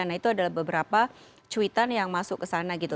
nah itu adalah beberapa cuitan yang masuk ke sana gitu